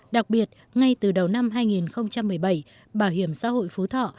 đặc biệt ngay từ đầu năm hai nghìn một mươi bảy bảo hiểm xã hội phú thọ